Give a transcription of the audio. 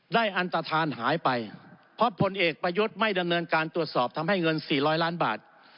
อันตฐานหายไปเพราะผลเอกประยุทธ์ไม่ดำเนินการตรวจสอบทำให้เงิน๔๐๐ล้านบาท